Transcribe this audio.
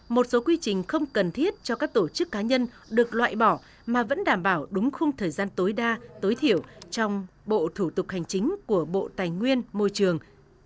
một số quy trình không cần thiết cho các tổ chức cá nhân được loại bỏ mà vẫn đảm bảo đúng khung thời gian tối đa tối thiểu trong bộ thủ tục hành chính của bộ tài nguyên môi trường